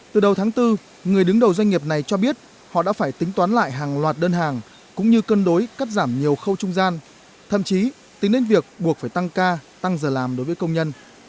từ đầu tháng bốn người đứng đầu doanh nghiệp này cho biết họ đã phải tính toán lại hàng loạt đơn hàng cũng như cân đối cắt giảm nhiều khâu trung gian thậm chí tính đến việc buộc phải tăng ca tăng giờ làm đối với công nhân